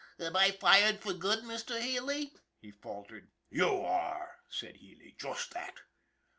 " Am I fired for good, Mr. Healy ?" he faltered. "You are!" said Healy. "Just that!"